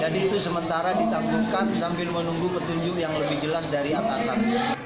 jadi itu sementara ditanggungkan sambil menunggu petunjuk yang lebih jelas dari atasan